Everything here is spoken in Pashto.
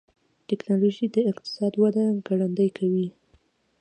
ټکنالوجي د اقتصاد وده ګړندۍ کوي.